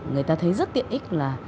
người ta thấy rất tiện ích là